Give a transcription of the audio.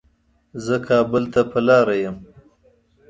زه کابل ته په لاره يم